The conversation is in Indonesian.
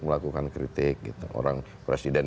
melakukan kritik orang presiden